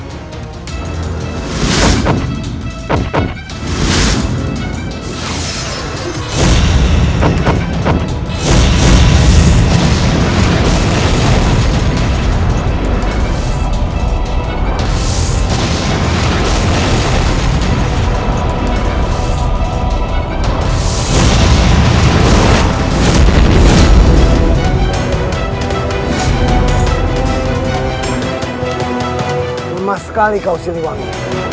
rumah sekali kau siriwangi